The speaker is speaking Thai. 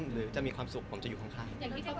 หรือจะมีความสุขผมจะอยู่ข้าง